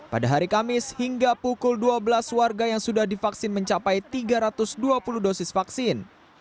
pada hari kamis hingga pukul dua belas warga yang sudah divaksin mencapai tiga ratus dua puluh dosis vaksin